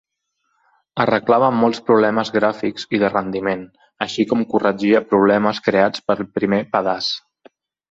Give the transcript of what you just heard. Arreglava molts problemes gràfics i de rendiment, així com corregia problemes creats pel primer pedaç.